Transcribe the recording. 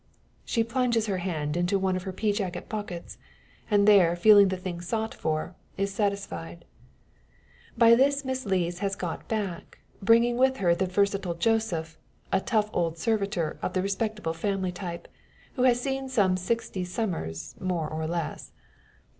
She plunges her hand into one of her pea jacket pockets; and, there feeling the thing sought for, is satisfied. By this Miss Lees has got back, bringing with her the versatile Joseph a tough old servitor of the respectable family type, who has seen some sixty summers, more or less.